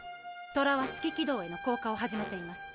トラは月軌道への降下を始めています。